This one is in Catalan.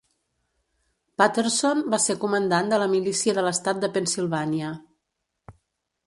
Patterson va ser comandant de la milícia de l'estat de Pennsilvània.